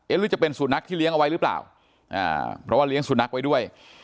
หรือจะเป็นสุนัขที่เลี้ยงเอาไว้หรือเปล่าเพราะว่าเลี้ยงสุนัขไว้ด้วย